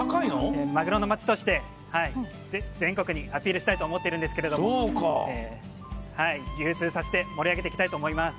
マグロの町として、全国にアピールしたいと思ってるんですが、流通させて盛り上げていきたいと思います。